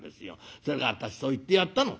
それで私そう言ってやったの。